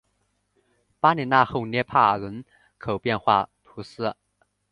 巴里讷后帕涅人口变化图示